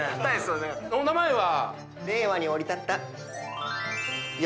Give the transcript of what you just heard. お名前は？